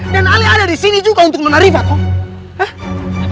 dan ale ada disini juga untuk nona riva toh